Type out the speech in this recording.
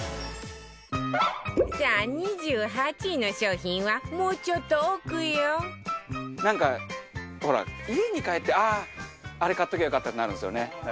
さあ２８位の商品はもうちょっと奥よなんかほら家に帰ってあああれ買っておけばよかったってなるんですよね。